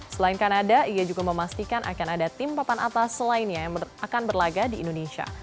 selain kanada ia juga memastikan akan ada tim papan atas lainnya yang akan berlaga di indonesia